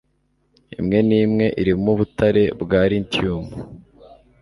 imwe n'imwe irimo ubutare bwa lithium